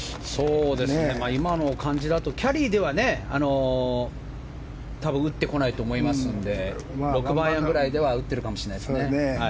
今の感じだとキャリーでは多分打ってこないと思いますので６番アイアンくらいで打ってるかもしれないですね。